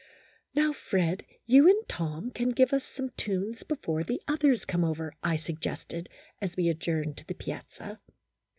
" Now, Fred, you and Tom can give us some tunes before the others come over," I suggested, as we adjourned to the piazza.